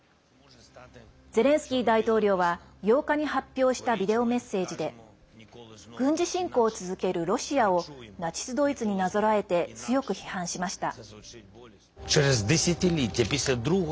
ゼレンスキー大統領は８日に発表したビデオメッセージで軍事侵攻を続けるロシアをナチス・ドイツになぞらえて強く批判しました。